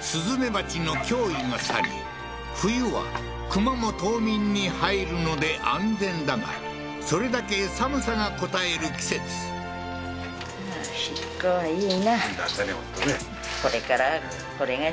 スズメバチの脅威が去り冬は熊も冬眠に入るので安全だがそれだけ寒さがこたえる季節ははははっ